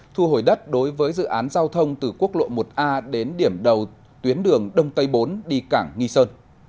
thu hồi đất đối với dự án giao thông từ quốc lộ một a đến điểm đầu tuyến đường đông tây bốn đi cảng nghi sơn